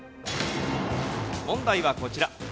問題はこちら。